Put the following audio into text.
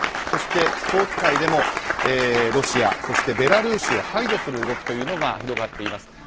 そして、スポーツ界でもロシア、ベラルーシを排除する動きが広がっています。